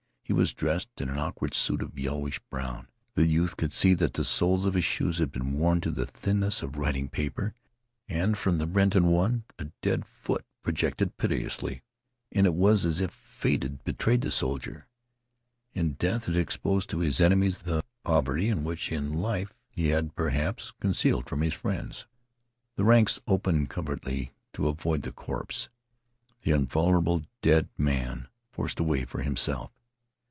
He was dressed in an awkward suit of yellowish brown. The youth could see that the soles of his shoes had been worn to the thinness of writing paper, and from a great rent in one the dead foot projected piteously. And it was as if fate had betrayed the soldier. In death it exposed to his enemies that poverty which in life he had perhaps concealed from his friends. The ranks opened covertly to avoid the corpse. The invulnerable dead man forced a way for himself.